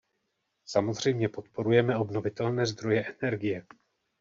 Samozřejmě podporujeme obnovitelné zdroje energie.